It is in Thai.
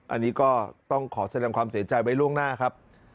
อันนี้ก็ต้องขอแสดงความเสียใจไว้ล่วงหน้าครับ